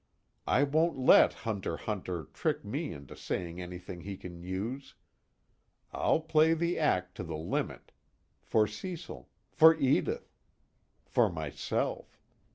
I won't let hunter Hunter trick me into saying anything he can use. I'll play the act to the limit. For Cecil. For Edith. For myself.